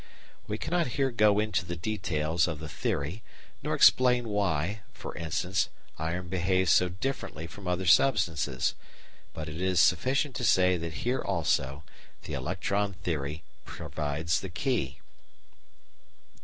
We cannot here go into the details of the theory nor explain why, for instance, iron behaves so differently from other substances, but it is sufficient to say that here, also, the electron theory provides the key.